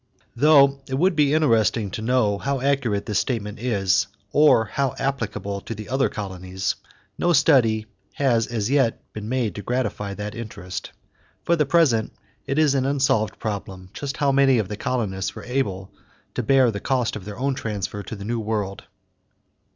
Though it would be interesting to know how accurate this statement is or how applicable to the other colonies, no study has as yet been made to gratify that interest. For the present it is an unsolved problem just how many of the colonists were able to bear the cost of their own transfer to the New World.